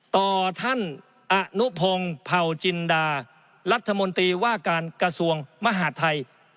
ต่อท่านอนุพงศ์เผาจินดารัฐมนตรีว่าการกระทรวงมหาดไทย